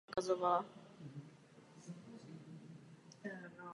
Postupujeme jako obvykle.